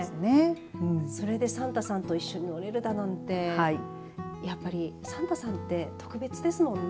それでサンタさんと一緒に乗れるだなんてやっぱりサンタさんって特別ですもんね。